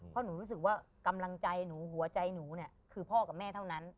เพราะหนูรู้สึกว่ากำลังใจหนูหัวใจหนูเนี่ยคือพ่อกับแม่เท่านั้น